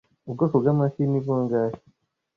Ubwoko bw'amafi ni bungahe